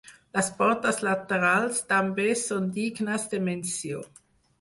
Les portes laterals també són dignes de menció.